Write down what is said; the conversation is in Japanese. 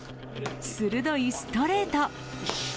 鋭いストレート。